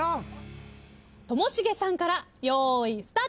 ともしげさんから用意スタート。